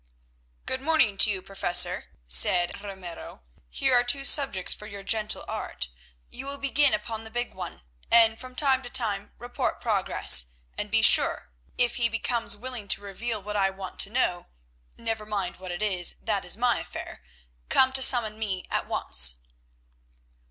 "Good morning to you, Professor," said Ramiro. "Here are two subjects for your gentle art. You will begin upon the big one, and from time to time report progress, and be sure, if he becomes willing to reveal what I want to know—never mind what it is, that is my affair—come to summon me at once."